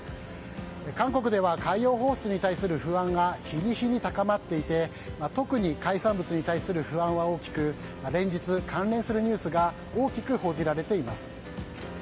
韓国では海洋放出に対する不安が日に日に高まっていて特に海産物に対する不安は大きく連日、関連するニュースが大きく報じられています。